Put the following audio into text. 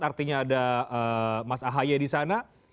artinya ada mas ahaye di sana